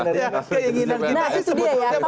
tapi sebenarnya keinginan kita sebetulnya begitu